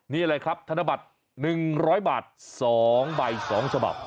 นี่เลยครับธนบัตร๑๐๐บาท๒ใบ๒ฉบับ